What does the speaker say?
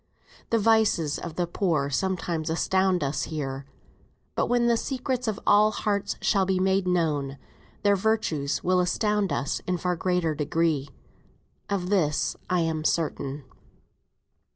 The vices of the poor sometimes astound us here; but when the secrets of all hearts shall be made known, their virtues will astound us in far greater degree. Of this I am certain.